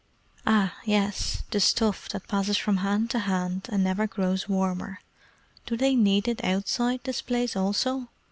"Ah, yes. The stuff that passes from hand to hand and never grows warmer. Do they need it outside this place also?"